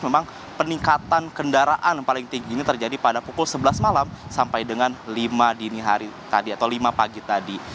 memang peningkatan kendaraan paling tinggi ini terjadi pada pukul sebelas malam sampai dengan lima pagi tadi